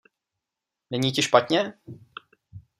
Není ti špatně?